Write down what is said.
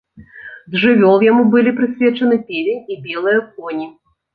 З жывёл яму былі прысвечаны певень і белыя коні.